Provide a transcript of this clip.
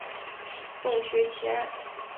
洞穴奇案。